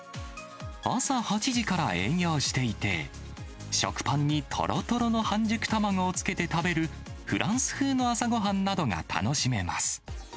朝８時から営業していて、食パンにとろとろの半熟卵をつけて食べる、フランス風の朝ごはんなどが楽しめます。